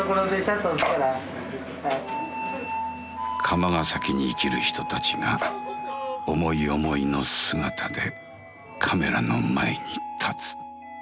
釜ヶ崎に生きる人たちが思い思いの姿でカメラの前に立つ。